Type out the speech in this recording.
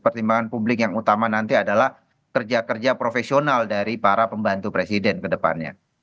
pertimbangan publik yang utama nanti adalah kerja kerja profesional dari para pembantu presiden ke depannya